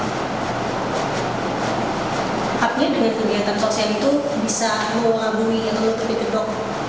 artinya dengan kegiatan sosial itu bisa mengelabungi atau ditutupi ke dokter